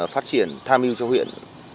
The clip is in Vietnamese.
phát triển tham mưu cho huyện